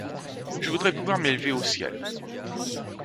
Je voudrais pouvoir m’élever au ciel.